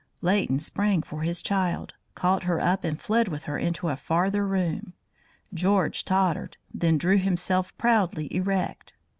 Leighton sprang for his child, caught her up and fled with her into a farther room. George tottered, then drew himself proudly erect.